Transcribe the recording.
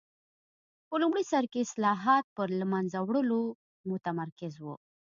په لومړي سر کې اصلاحات پر له منځه وړلو متمرکز و.